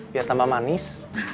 biar tambah manis